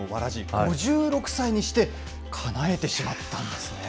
５６歳にしてかなえてしまったん